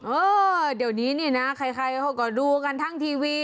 เออเดี๋ยวนี้นี่นะใครค่อยก็ดูกันทางทีวี